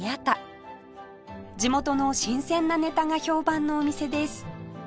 地元の新鮮なネタが評判のお店です